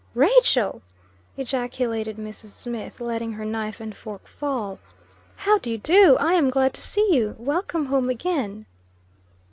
"Rachel!" ejaculated Mrs. Smith, letting her knife and fork fall. "How do you do? I am glad to see you! Welcome home again!"